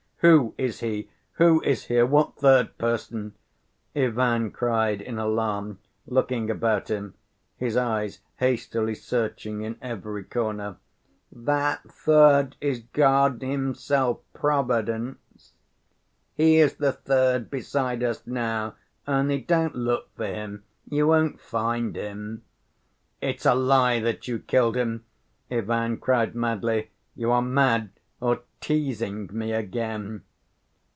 "Who is he? Who is here? What third person?" Ivan cried in alarm, looking about him, his eyes hastily searching in every corner. "That third is God Himself—Providence. He is the third beside us now. Only don't look for Him, you won't find Him." "It's a lie that you killed him!" Ivan cried madly. "You are mad, or teasing me again!"